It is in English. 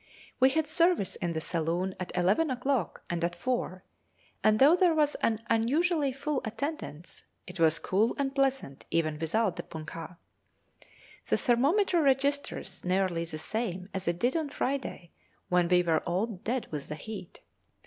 We had service in the saloon at eleven o'clock and at four, and though there was an unusually full attendance it was cool and pleasant even without the punkah. The thermometer registers nearly the same as it did on Friday, when we were all dead with the heat.